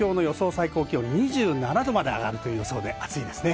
最高気温、２７度まで上がるという予想で暑いですね。